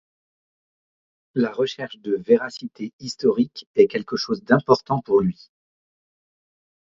La recherche de véracité historique est quelque chose d’important pour lui.